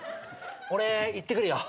俺行ってくるよ。